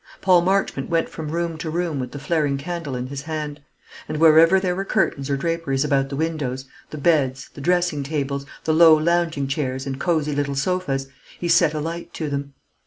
Paul Marchmont went from room to room with the flaring candle in his hand; and wherever there were curtains or draperies about the windows, the beds, the dressing tables, the low lounging chairs, and cosy little sofas, he set alight to them.